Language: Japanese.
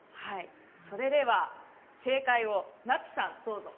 それでは正解をなつさん、どうぞ。